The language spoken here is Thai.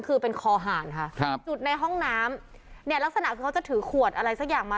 คือเป็นคอหารค่ะครับจุดในห้องน้ำเนี่ยลักษณะคือเขาจะถือขวดอะไรสักอย่างมา